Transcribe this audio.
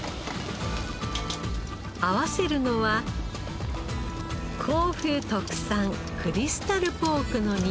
合わせるのは甲府特産クリスタルポークの煮込み。